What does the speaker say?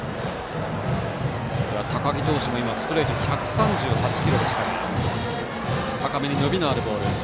高木投手も今、ストレート１３８キロでしたが高めに伸びのあるボール。